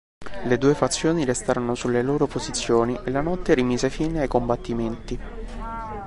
Le due fazioni restarono sulle loro posizioni e la notte mise fine ai combattimenti.